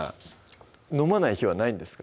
飲まない日はないんですか？